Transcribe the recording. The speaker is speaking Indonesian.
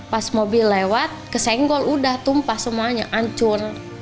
pas mobil lewat kesenggol udah tumpah semuanya hancur